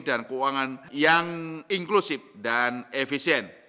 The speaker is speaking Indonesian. dan keuangan yang inklusif dan efisien